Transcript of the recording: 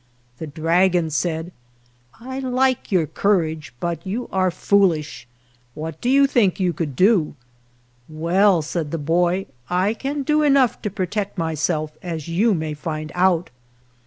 The dragon said, " I like your courage, but you are foolish; what do you think you could do?" "Well," said the boy, "I can do enough to protect myself, as you may find out."